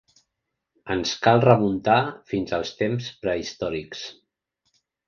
Ens cal remuntar fins als temps prehistòrics.